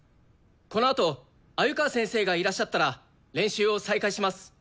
このあと鮎川先生がいらっしゃったら練習を再開します。